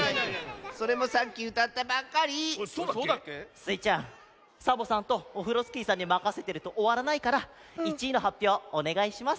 スイちゃんサボさんとオフロスキーさんにまかせてるとおわらないから１いのはっぴょうおねがいします。